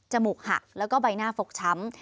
มูกหักแล้วก็ใบหน้าฟกช้ำ